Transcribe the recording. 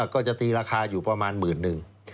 ก็จะตีราคาอยู่ประมาณหมื่นนึง